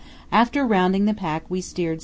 After rounding the pack we steered S.